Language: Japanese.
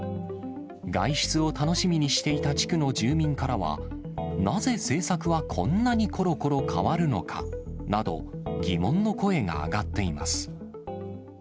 外出を楽しみにしていた地区の住民からは、なぜ政策はこんなにころころ変わるのか？など、疑問の声が上がっています。